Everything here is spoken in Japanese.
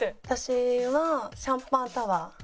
私はシャンパンタワー。